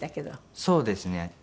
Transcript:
そうですね。